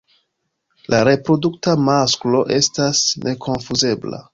La reprodukta masklo estas nekonfuzebla.